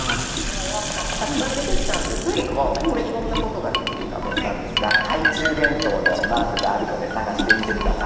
たくさん出てきたんですけれどもこれいろいろなことができる画面なんですが懐中電灯のマークがあるので探してみて下さい。